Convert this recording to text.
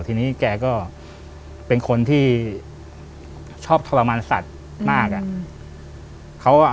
ทีนี้แกก็เป็นคนที่ชอบทรมานสัตว์มากอะ